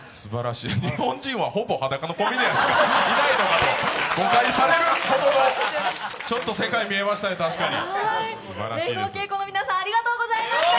日本人はほぼ裸のコメディアンしかいないのかと誤解されるほどの世界が見えましたね、確かに。